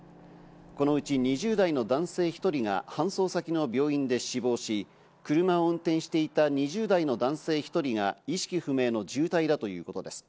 このうち２０代の男性１人が搬送先の病院で死亡し、車を運転していた２０代の男性１人が意識不明の重体だということです。